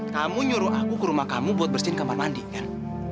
kamu nyuruh aku ke rumah kamu buat bersihin kamar mandi kan